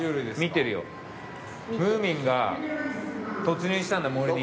ムーミンが突入したんだ森に。